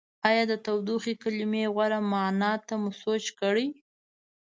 ایا د تودوخې کلمې غوره معنا ته مو سوچ کړی؟